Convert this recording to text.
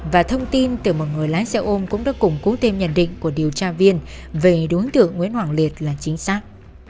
và thông tin từ một người lái xe ôm cũng đã củng cố thêm nhận định của điều tra viên về đối tượng nguyễn hoàng liệt là chính xác